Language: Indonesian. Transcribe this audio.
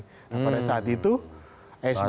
pada saat itu sby pidato dan dia naik kuda bersama pak prabowo